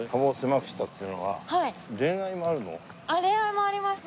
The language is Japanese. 恋愛もあります。